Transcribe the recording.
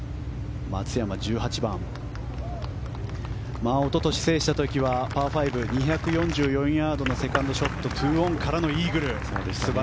松山１８番、一昨年制した時はパー５、２４４ヤードのセカンドショット２オンからのイーグル。